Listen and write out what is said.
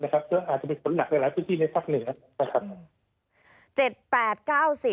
หรือก็อาจจะมีฝนหนักในหลายพื้นที่ในภาคเหนียว